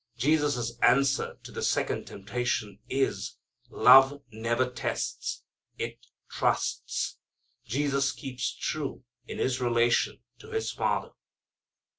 Jesus' answer to the second temptation is: love never tests. It trusts. Jesus keeps true in His relation to His Father.